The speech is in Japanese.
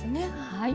はい。